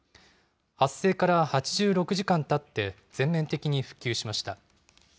発生から８６時間たって全面的に復旧しました。